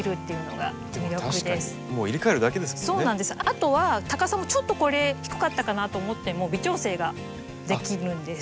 あとは高さもちょっとこれ低かったかなと思っても微調整ができるんです。